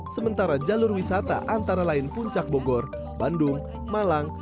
sementara jalur wisata antara lain puncak bogor bandung malang